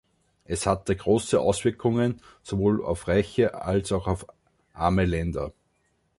Es hatte große Auswirkungen sowohl auf reiche als auch auf arme Länder.